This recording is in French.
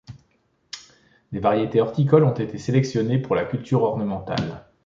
Des variétés horticoles ont été sélectionnées pour la culture ornementale.